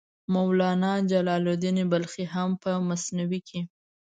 مولانا جلال الدین بلخي هم په مثنوي کې.